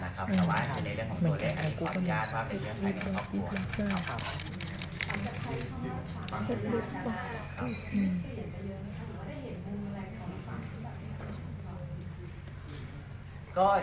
แต่ว่าในเรื่องของตัวเล็กอันนี้ความยากความในเรื่องใครในครอบครัว